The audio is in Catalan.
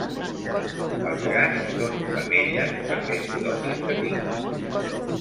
Els gats són femelles per més bigotis que tinguin.